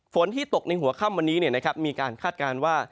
ฝนที่ตกในหัวค่ำวันนี้มีการคาดการณ์ว่า